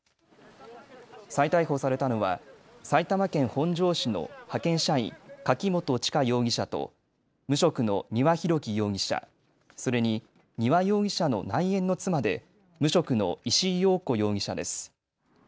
再逮捕されたのは埼玉県本庄市の派遣社員、柿本知香容疑者と無職の丹羽洋樹容疑者、それに丹羽容疑者の内縁の妻で無職の石井陽子容疑者です。